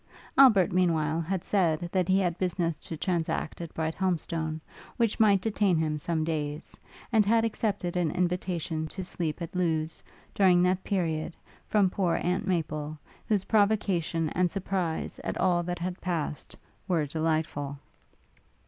Albert, meanwhile, had said, that he had business to transact at Brighthelmstone, which might detain him some days; and had accepted an invitation to sleep at Lewes, during that period, from poor Aunt Maple; whose provocation and surprise at all that had passed were delightful.